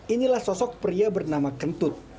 inilah sosok pria bernama kentut